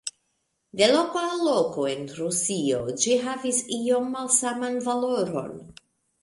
De loko al loko en Rusio ĝi havis iom malsaman valoron.